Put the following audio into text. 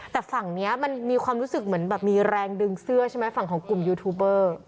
แต่ฝั่งนี้มันมีความรู้สึกเหมือนแบบมีแรงดึงเสื้อใช่ไหมฝั่งของกลุ่มยูทูบเบอร์